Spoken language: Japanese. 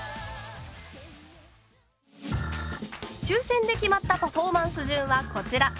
抽選で決まったパフォーマンス順はこちら。